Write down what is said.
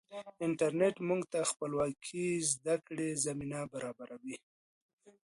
انټرنیټ موږ ته د خپلواکې زده کړې زمینه برابروي.